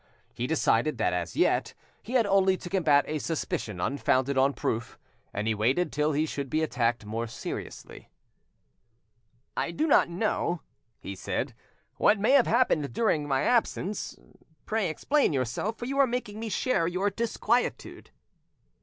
He decided that as yet he had only to combat a suspicion unfounded on proof, and he waited till he should be attacked more seriously. "I do not know," he said, "what may have happened during my absence; pray explain yourself, for you are making me share your disquietude."